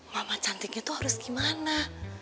mama cantiknya tuh harus gimana